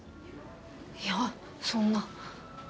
いやそんな。